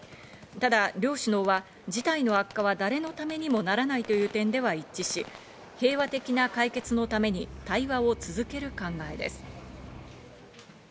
ただ両首脳は事態の悪化は誰のためにもならないという点では一致し、平和的な解決のために対話を続ける考えです。